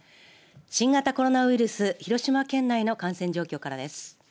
新型コロナウイルス広島県内の感染状況からです。